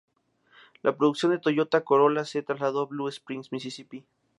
La producción del Toyota Corolla se trasladó a Blue Springs, Mississippi.